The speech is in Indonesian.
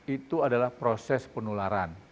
itu adalah proses penularan